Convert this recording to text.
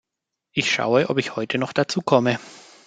Ich schaue, ob ich heute noch dazukomme.